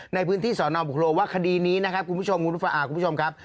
ในพื้นที่สอนอบุคโลวัคดีนี้นะครับคุณผู้ชมคุณผู้ฟังคุณผู้ชมครับ